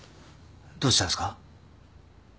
どうしたんですか？